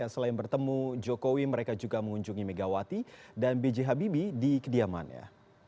selain bertemu jokowi mereka juga mengunjungi megawati dan b j habibie di kediamannya